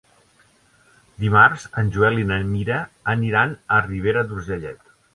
Dimarts en Joel i na Mira aniran a Ribera d'Urgellet.